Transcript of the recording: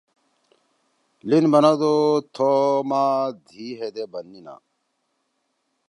لین بنَدُو تھو ما دھی ہیدے بننیا